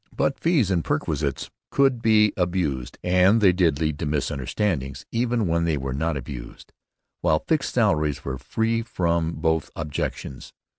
But fees and perquisites could be abused; and they did lead to misunderstandings, even when they were not abused; while fixed salaries were free from both objections.